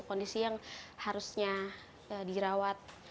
kondisi yang harusnya dirawat